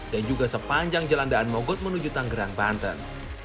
dan juga sepanjang jalan daan mogot menuju tangerang banten